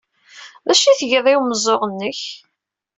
D acu ay tgiḍ i umeẓẓuɣ-nnek?